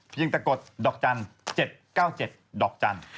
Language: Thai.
เพียงแต่กดดอกจันทร์๗๙๗ดอกจันทร์